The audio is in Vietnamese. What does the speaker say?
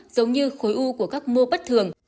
giống như khối u của các mô bất thường